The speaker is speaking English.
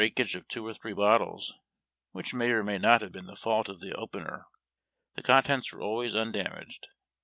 akage of two or three bottles, which may or may not have been the fault of the opener, the contents were always undamaged.